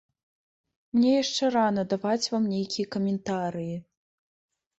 Мне яшчэ рана даваць вам нейкія каментарыі.